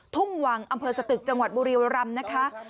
ทุ่งวังอำเภอสตึกจังหวัดบุรีรำนะคะ